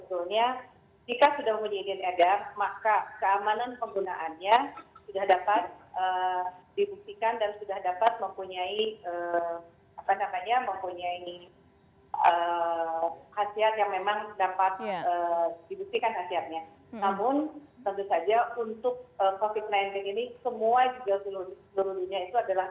kami berusaha nanti memberikan langsungan langsungan kepada pemerintah dan pemerintah pemerintah untuk memberikan perhatian perhatian yang sekiranya dapat menjadi satu penyulit